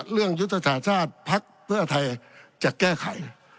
เรื่องยุทธศาสตร์ภักดิ์เพื่อไทยจะแก้ไข